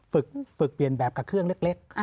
ฝึกเปลี่ยนแบบกับเครื่องเล็ก